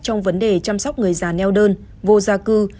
trong vấn đề chăm sóc người già neo đơn vô gia cư